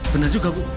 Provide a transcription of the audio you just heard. benar juga bu